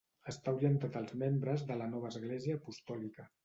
Està orientat als membres de la nova església apostòlica.